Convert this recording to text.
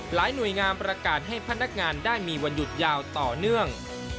หน่วยงามประกาศให้พนักงานได้มีวันหยุดยาวต่อเนื่อง